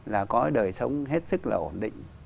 là có đời sống hết sức là ổn định